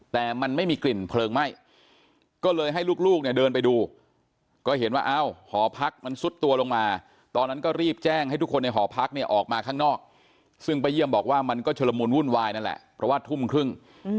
แต่มันไม่มีกลิ่นเพลิงไหม้ก็เลยให้ลูกเนี่ยเดินไปดูก็เห็นว่าอ้าวหอพักมันซุดตัวลงมาตอนนั้นก็รีบแจ้งให้ทุกคนในหอพักเนี่ยออกมาข้างนอกซึ่งป้าเยี่ยมบอกว่ามันก็ชุลมูลวุ่นวายนั่นแหละเพราะว่าทุ่มครึ่ง